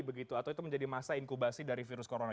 begitu atau itu menjadi masa inkubasi dari virus corona